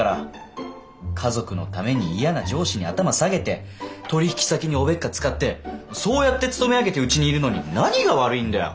家族のために嫌な上司に頭下げて取引先におべっか使ってそうやって勤め上げてうちにいるのに何が悪いんだよ。